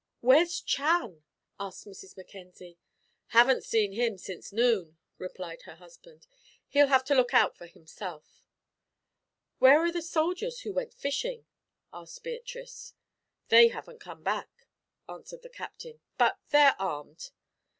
"Where's Chan?" asked Mrs. Mackenzie. "Haven't seen him since noon," replied her husband. "He'll have to look out for himself." "Where are the soldiers who went fishing?" asked Beatrice. "They haven't come back," answered the Captain; "but they're armed."